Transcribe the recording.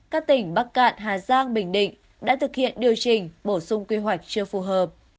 các tỉnh bắc cạn hà giang bình định đã thực hiện điều chỉnh bổ sung quy hoạch chưa phù hợp